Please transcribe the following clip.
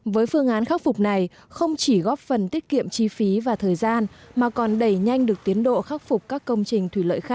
với phương án khắc phục này không chỉ góp phần tiết kiệm chi phí và thời gian mà còn đẩy nhanh được tiến độ khắc phục các công trình